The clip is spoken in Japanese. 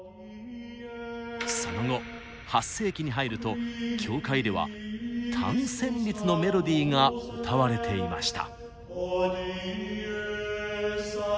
その後８世紀に入ると教会では単旋律のメロディーが歌われていました。